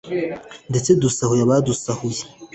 ndetse dusahure abadusahuye